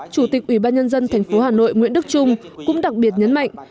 chủ tịch ủy ban nhân dân tp hà nội nguyễn đức trung cũng đặc biệt nhấn mạnh